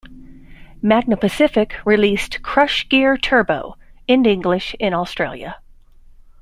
Magna Pacific released "Crush Gear Turbo" in English in Australia.